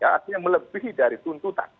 artinya melebihi dari tuntutan